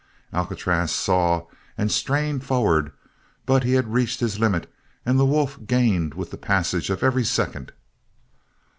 Alcatraz saw and strained forward but he had reached his limit and the wolf gained with the passage of every second.